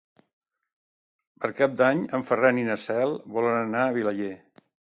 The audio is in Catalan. Per Cap d'Any en Ferran i na Cel volen anar a Vilaller.